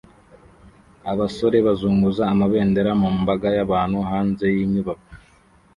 Abasore bazunguza amabendera mu mbaga y'abantu hanze yinyubako